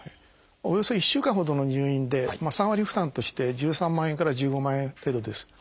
およそ１週間ほどの入院で３割負担として１３万円から１５万円程度です。